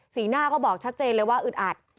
หน้าก็บอกชัดเจนเลยว่าอึดอัด